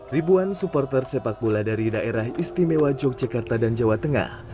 ribuan supporter sepak bola dari daerah istimewa yogyakarta dan jawa tengah